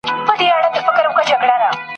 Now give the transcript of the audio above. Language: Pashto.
چي آزاد وطن ته ستون سم زما لحد پر کندهار کې ..